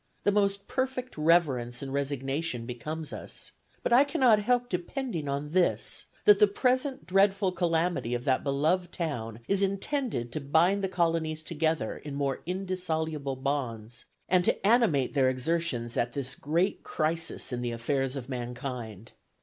The most perfect reverence and resignation becomes us, but I cannot help depending upon this, that the present dreadful calamity of that beloved town is intended to bind the colonies together in more indissoluble bonds, and to animate their exertions at this great crisis in the affairs of mankind.